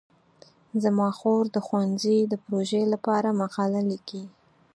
زما خور د ښوونځي د پروژې لپاره مقاله لیکي.